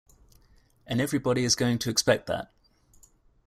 And everybody is going to expect that.